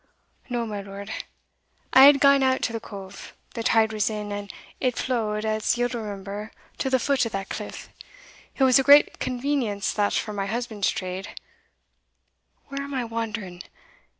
"No, my lord. I had gane out to the cove the tide was in, and it flowed, as ye'll remember, to the foot o' that cliff it was a great convenience that for my husband's trade Where am I wandering?